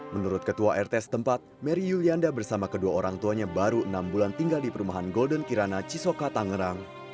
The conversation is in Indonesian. menurut ketua rt setempat mary yulianda bersama kedua orang tuanya baru enam bulan tinggal di perumahan golden kirana cisoka tangerang